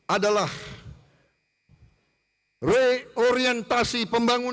adalah reorientasi pembangunan